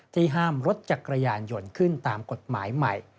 ห้ามรถจักรยานยนต์ขึ้นตามกฎหมายใหม่